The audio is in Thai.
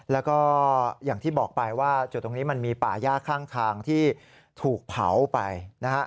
แล้วก็อย่างที่บอกไปว่าจุดตรงนี้มันมีป่าย่าข้างทางที่ถูกเผาไปนะฮะ